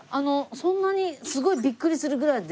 そんなにすごいビックリするぐらいでは多分。